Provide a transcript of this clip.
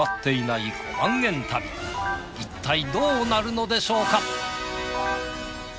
いったいどうなるのでしょうか。